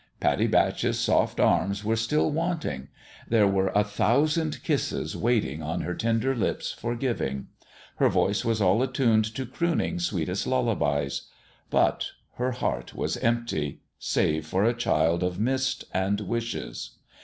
Pattie Batch's soft arms were still want ing; there were a thousand kisses waiting on her tender lips for giving ; her voice was all at tuned to crooning sweetest lullabys ; but her heart was empty save for a child of mist and wishes.